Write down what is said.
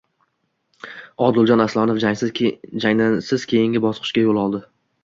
Odiljon Aslonov jangsiz keyingi bosqichga yo‘l oldi